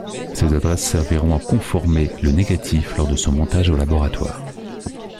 Ces adresses serviront à conformer le négatif lors de son montage au laboratoire.